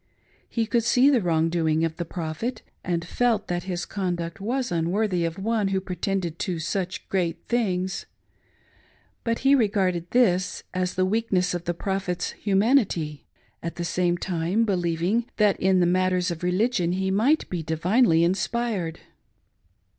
He could see the wrongrdoing of the Prophet, and felt that his conduct was unworthy of one who pretended to euch great things ; but he regarded this as the weakness of the Prophet's humanity, at the same time believing that in matters of religion he might be divinely inspired.